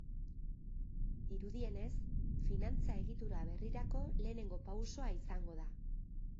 Dirudienez, finantza egitura berrirako lehenengo pausoa izango da.